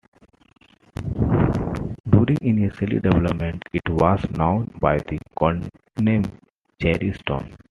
During initial development it was known by the codename "Cherry Stone".